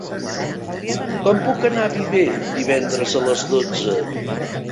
Com puc anar a Viver divendres a les dotze?